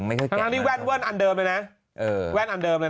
แล้วก็ใส่แว